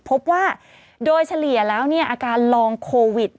พบว่าโดยเฉลี่ยแล้วอาการลองโควิด